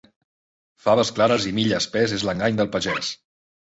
Faves clares i mill espès és l'engany del pagès.